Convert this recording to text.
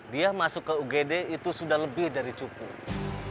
dia masuk ke ugd itu sudah lebih dari cukup